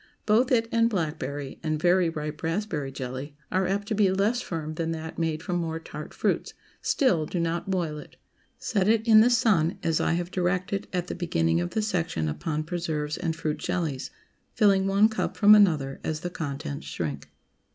Both it and blackberry, and very ripe raspberry jelly, are apt to be less firm than that made from more tart fruits; still, do not boil it. Set it in the sun, as I have directed at the beginning of the section upon preserves and fruit jellies, filling one cup from another as the contents shrink.